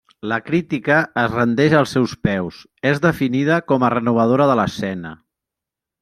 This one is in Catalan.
La crítica es rendeix als seus peus; és definida com a renovadora de l'escena.